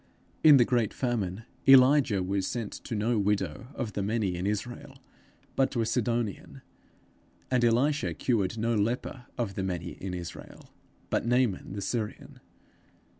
In the great famine, Elijah was sent to no widow of the many in Israel, but to a Sidonian; and Elisha cured no leper of the many in Israel, but Naaman the Syrian.